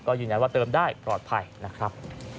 ก็อย่างนั้นว่าเติมได้ปลอดภัยนะครับ